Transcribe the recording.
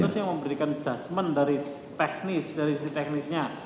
nah terus yang memberikan adjustment dari teknis dari sisi teknisnya